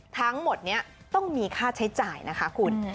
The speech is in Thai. ทั้งหมดนี้ต้องมีค่าใช้จ่ายนะคะคุณ